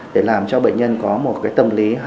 để làm cho bệnh nhân có một cái tâm lý